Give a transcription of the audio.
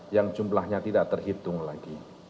yang jumlahnya tidak terhitung lagi